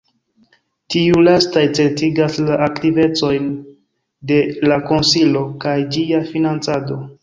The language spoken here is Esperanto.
Tiuj lastaj certigas la aktivecojn de la konsilo kaj ĝia financado.